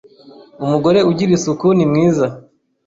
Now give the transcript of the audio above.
Umugore ugira isuku ni mwiza